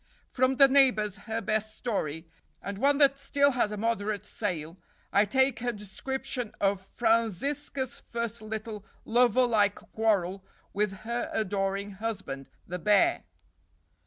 From the "Neighbors," her best story, and one that still has a moderate sale, I take her description of Franziska's first little lover like quarrel with her adoring husband, the "Bear."